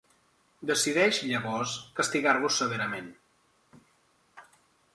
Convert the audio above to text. Decideix llavors castigar-los severament.